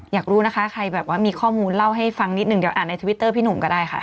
อยากรู้นะคะใครแบบว่ามีข้อมูลเล่าให้ฟังนิดหนึ่งเดี๋ยวอ่านในทวิตเตอร์พี่หนุ่มก็ได้ค่ะ